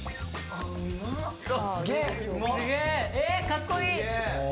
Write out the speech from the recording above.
かっこいい！